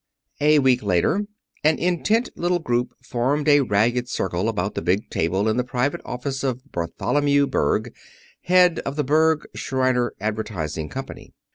A week later an intent little group formed a ragged circle about the big table in the private office of Bartholomew Berg, head of the Berg, Shriner Advertising Company.